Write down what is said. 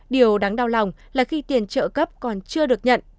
điều đáng đau lòng là khi tiền trợ cấp còn chưa được nhận